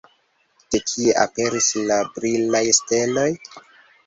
De kie aperis la brilaj steloj?